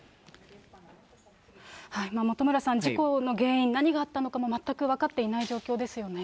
本村さん、事故の原因、何があったのかも全く分かっていない状況ですよね。